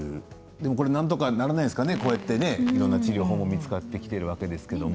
でもこれなんとかならないんですかねこうやってねいろんな治療法も見つかってきてるわけですけども。